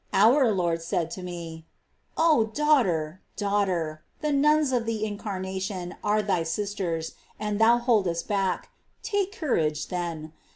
Our Lord said to me : "0 daughter, daughter ! the nuns of the Incarnation are thy sisters, and thou boldest back. Take courage, then.